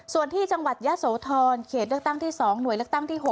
ส่วนที่จังหวัดยะโสธรเขตเลือกตั้งที่๒หน่วยเลือกตั้งที่๖